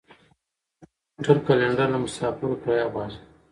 د موټر کلینډر له مسافرو کرایه غواړي.